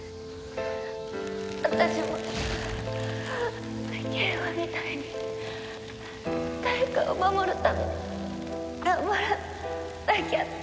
私も景和みたいに誰かを守るために頑張らなきゃって。